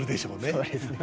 そうですね。